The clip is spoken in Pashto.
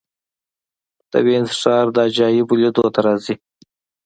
د وینز ښار د عجایبو لیدو ته راځي.